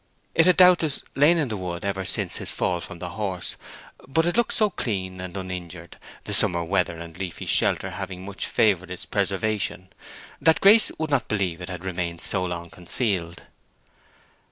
It had doubtless lain in the wood ever since his fall from the horse, but it looked so clean and uninjured—the summer weather and leafy shelter having much favored its preservation—that Grace could not believe it had remained so long concealed.